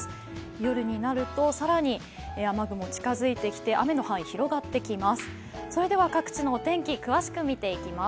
夜になると更に雨雲近づいてきて、雨の範囲広がってきます。